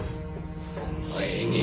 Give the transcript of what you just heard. お前に。